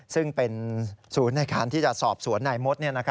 ซึ่งเป็นศูนย์ในการที่จะสอบสวนนายมด